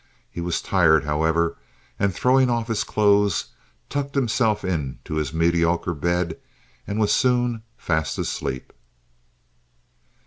He was tired, however, and throwing off his clothes, tucked himself in his mediocre bed, and was soon fast asleep.